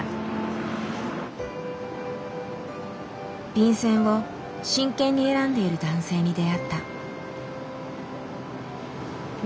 便せんを真剣に選んでいる男性に出会った。